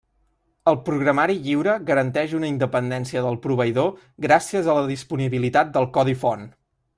El programari lliure garanteix una independència del proveïdor gràcies a la disponibilitat del codi font.